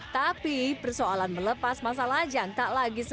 tapi persoalan melepas masa lajang tak lagi selesai